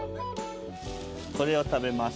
これを食べます。